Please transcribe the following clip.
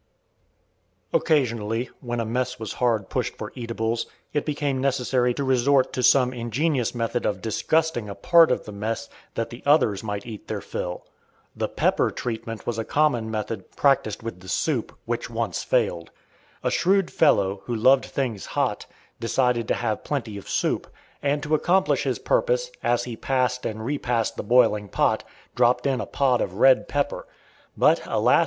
Occasionally, when a mess was hard pushed for eatables, it became necessary to resort to some ingenious method of disgusting a part of the mess, that the others might eat their fill. The "pepper treatment" was a common method practiced with the soup, which once failed. A shrewd fellow, who loved things "hot," decided to have plenty of soup, and to accomplish his purpose, as he passed and repassed the boiling pot, dropped in a pod of red pepper. But, alas!